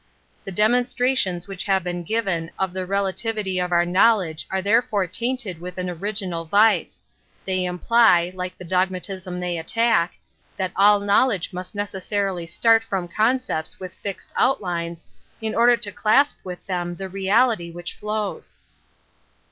The demonstrations which have been given of the relativity of our knowledge are therefore tainted with an original vice; they imply, like the dogmatism they attack, that all knowledge must necessarily start from concepts with fixed outlii^es, in order Metaphysics 69 v. to clasp with them the reality which flows.